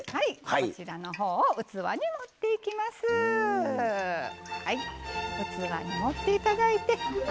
こちらのほうを器に盛っていきます。